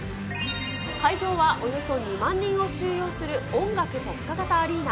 会場はおよそ２万人を収容する音楽特化型アリーナ。